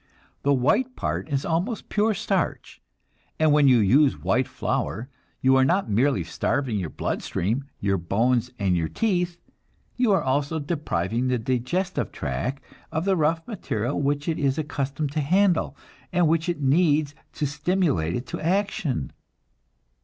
The white part is almost pure starch; and when you use white flour, you are not merely starving your blood stream, your bones, and your teeth, you are also depriving the digestive tract of the rough material which it is accustomed to handle, and which it needs to stimulate it to action.